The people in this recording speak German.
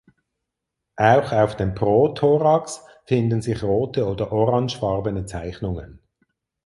Auch auf dem Prothorax finden sich rote oder orangefarbene Zeichnungen.